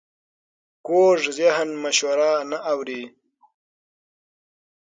کوږ ذهن مشوره نه اوري